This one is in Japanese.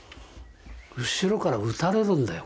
後ろから撃たれるんだよ